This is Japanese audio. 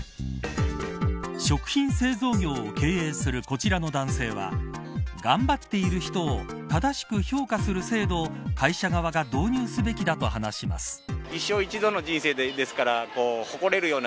食品製造業を経営するこちらの男性は頑張っている人を正しく評価する制度を会社側が導入するべきだと話しますさあ